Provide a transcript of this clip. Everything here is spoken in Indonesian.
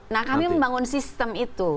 nah kami membangun sistem itu